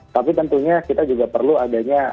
tapi tentunya kita juga perlu adanya